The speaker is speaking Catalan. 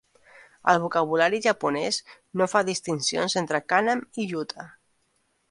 El vocabulari japonès no fa distincions entre cànem i jute.